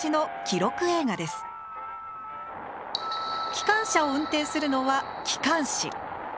機関車を運転するのは機関士。